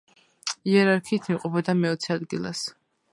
იერარქიით იმყოფება მეოცე ადგილას.